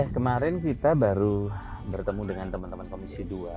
kemarin kita baru bertemu dengan teman teman komisi dua